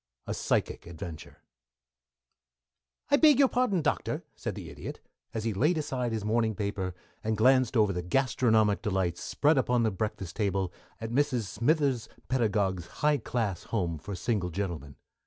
V A PSYCHIC VENTURE "I beg your pardon, Doctor," said the Idiot, as he laid aside his morning paper and glanced over the gastronomic delights spread upon the breakfast table at Mrs. Smithers Pedagog's high class home for single gentlemen.